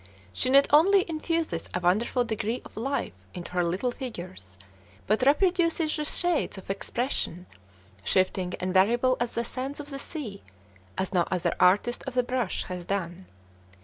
She not only infuses a wonderful degree of life into her little figures, but reproduces the shades of expression, shifting and variable as the sands of the sea, as no other artist of the brush has done.